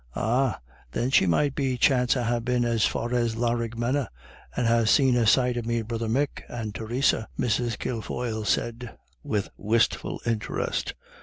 "Ah, then she might be chance ha' been as far as Laraghmena, and ha' seen a sight of me brother Mick and Theresa," Mrs. Kilfoyle said, with wistful interest.